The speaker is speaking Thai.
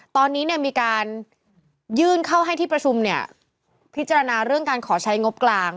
ตอนนี้มีการยื่นเข้าให้ที่ประชุมพิจารณาเรื่องการขอใช้งบกลาง